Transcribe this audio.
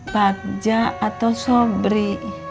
padja atau sobri